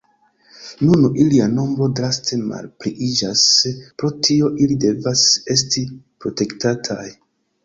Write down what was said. Nun ilia nombro draste malpliiĝas, pro tio ili devas esti protektataj.